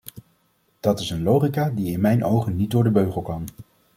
Dat is een logica die in mijn ogen niet door de beugel kan.